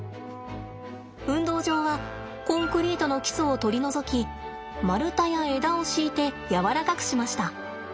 運動場はコンクリートの基礎を取り除き丸太や枝を敷いて柔らかくしました。